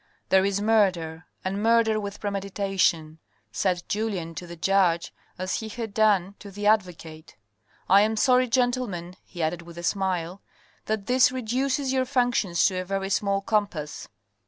"There is murder, and murder with premeditation," said Julien to the judge as he had done to the advocate, " I am sorry, gentlemen, he added with a smile, that this reduces your functions to a very small compass."